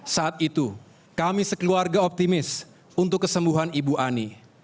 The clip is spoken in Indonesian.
saat itu kami sekeluarga optimis untuk kesembuhan ibu ani